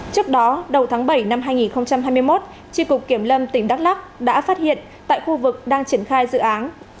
trước đó đầu tháng bảy năm hai nghìn hai mươi một tri cục kiểm lâm tỉnh đắk lắc đã phát hiện tại khu vực đang triển khai dự án